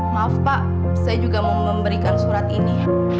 maaf pak saya juga mau memberikan surat ini